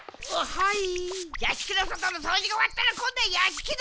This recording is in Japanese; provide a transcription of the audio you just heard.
はい！